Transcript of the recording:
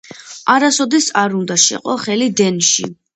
არასოდეს არ უნდა შეყო ხელი დენში.